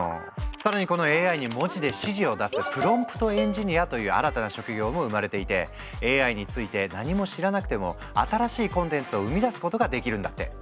更にこのＡＩに文字で指示を出すプロンプトエンジニアという新たな職業も生まれていてＡＩについて何も知らなくても新しいコンテンツを生み出すことができるんだって。